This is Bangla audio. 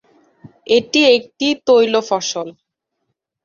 এটি একটি তৈলফসল।